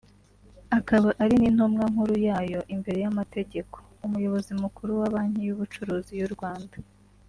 akaba ari n’intumwa nkuru yayo imbere y’amategeko ; Umuyobozi Mukuru wa Banki y’Ubucuruzi y’u Rwanda